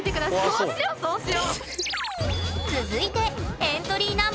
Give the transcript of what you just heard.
そうしよそうしよ。